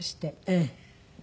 ええ。